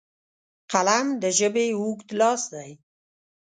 قلم د ژبې اوږد لاس دی